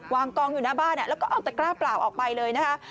กองอยู่หน้าบ้านแล้วก็เอาตะกร้าเปล่าออกไปเลยนะคะ